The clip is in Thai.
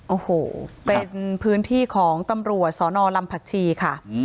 โอ้โหเป็นพื้นที่ของตำรวจสนลำผักชีค่ะ